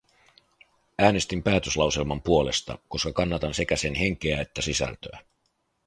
Äänestin päätöslauselman puolesta, koska kannatan sekä sen henkeä että sisältöä.